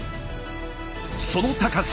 その高さ。